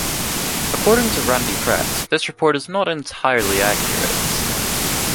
According to Randy Pratt, this report is not entirely accurate.